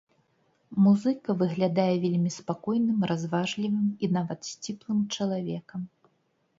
Музыка выглядае вельмі спакойным, разважлівым і нават сціплым чалавекам.